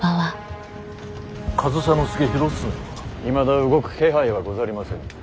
いまだ動く気配はござりませぬ。